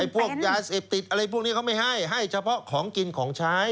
พวกยาเสพติดอะไรพวกนี้เขาไม่ให้ให้เฉพาะของกินของใช้